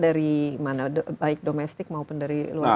dari mana baik domestik maupun dari luar negeri